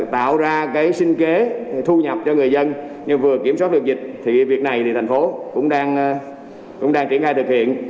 tạo ra cái sinh kế thu nhập cho người dân nhưng vừa kiểm soát được dịch thì việc này thì thành phố cũng đang triển khai thực hiện